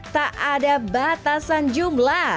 tak ada batasan jumlah